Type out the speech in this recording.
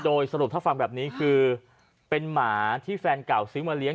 โดยสรุปถ้าฟังแบบนี้คือเป็นหมาที่แฟนเก่าซื้อมาเลี้ย